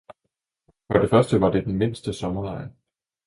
For det første var det den mindste sommerlejr